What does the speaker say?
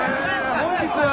本日は。